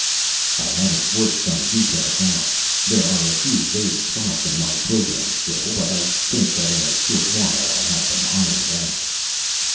"I haven't worked some details out. There are a few vague spots in my program, still. But I think that in a short while I'll have them ironed out."